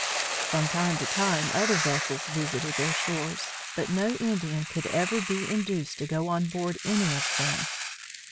From time to time, other vessels visited their shores, but no Indian could ever be induced to go on board any of them.